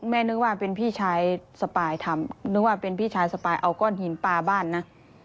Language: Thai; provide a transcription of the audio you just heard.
นึกว่าเป็นพี่ชายสปายทำนึกว่าเป็นพี่ชายสปายเอาก้อนหินปลาบ้านนะ